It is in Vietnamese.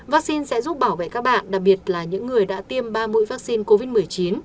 vaccine sẽ giúp bảo vệ các bạn đặc biệt là những người đã tiêm ba mũi vaccine covid một mươi chín